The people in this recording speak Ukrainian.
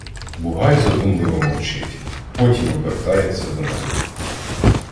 Бугай задумливо мовчить, потім обертається до мене.